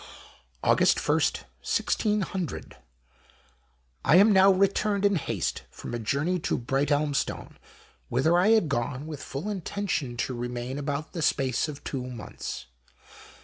Aug. 1, 1600. — I am now returned in haste froi a journey to Brightelmstone whither l\ had gone with full intention to remain] about the space of two months.